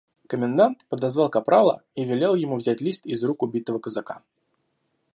Комендант подозвал капрала и велел ему взять лист из рук убитого казака.